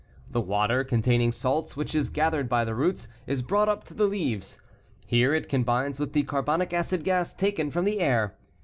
The water, containing salts, which is gathered by the roots is brought up to the leaves. Here it combines with the carbonic acid gas taken from the air.